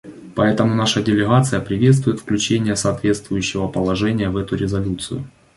Поэтому наша делегация приветствует включение соответствующего положения в эту резолюцию.